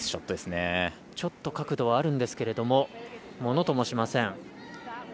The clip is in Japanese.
ちょっと角度はあるんですけどものともしません。